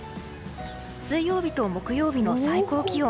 水曜日と木曜日の最高気温。